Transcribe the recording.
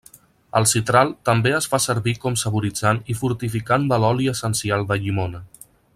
El citral també es fa servir com saboritzant i fortificant de l'oli essencial de llimona.